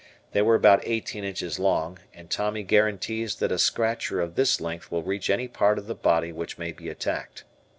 They were about eighteen inches long, and Tommy guarantees that a scratcher of this length will reach any part of the body which may be attacked.